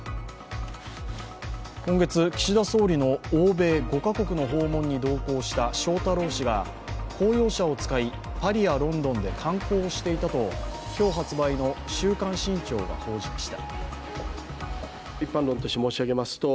今月、岸田総理の欧米５か国の訪問に同行した翔太郎氏が公用車を使いパリやロンドンで観光していたと今日発売の「週刊新潮」が報じました。